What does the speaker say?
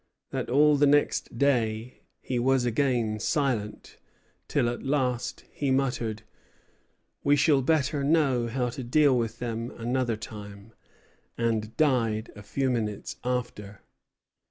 that all the next day he was again silent, till at last he muttered, "We shall better know how to deal with them another time," and died a few minutes after.